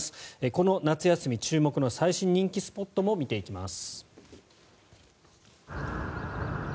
この夏休み注目の最新人気スポットも見ていきます。